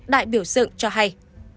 đại biểu dựng cho hay